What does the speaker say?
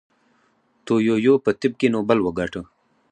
تو یویو په طب کې نوبل وګاټه.